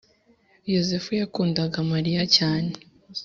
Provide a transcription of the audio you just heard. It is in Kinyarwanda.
Yozefu yakundaga mariya cyane